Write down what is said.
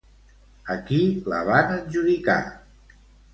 A qui la van adjudicar?